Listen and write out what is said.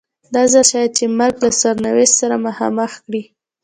دا ځل شاید چې مرګ له سرنوشت سره مخامخ کړي.